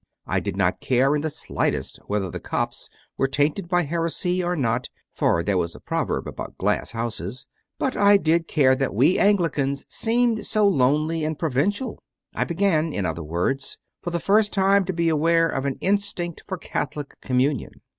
I did not care in the slightest whether the Copts were tainted by heresy or not (for there was a proverb about glass houses), but I did care that we Anglicans seemed so lonely and pro vincial. I began, in other words, for the first time to be aware of an instinct for Catholic communion.